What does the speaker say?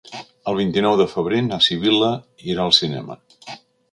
El vint-i-nou de febrer na Sibil·la irà al cinema.